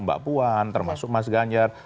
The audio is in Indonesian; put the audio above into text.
mbak puan termasuk mas ganjar